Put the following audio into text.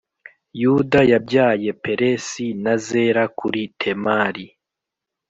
Yuda yabyaye peresi na zera kuri temari